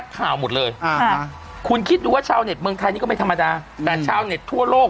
ข่าวหมดเลยอ่าคุณคิดดูว่าชาวเน็ตเมืองไทยนี่ก็ไม่ธรรมดาแต่ชาวเน็ตทั่วโลก